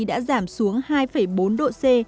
đã giảm xuống hai bốn độ c